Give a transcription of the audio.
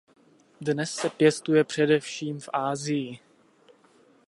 Dnes se pěstuje především v Asii.